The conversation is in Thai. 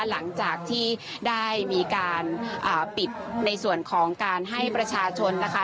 หลังจากที่ได้มีการปิดในส่วนของการให้ประชาชนนะคะ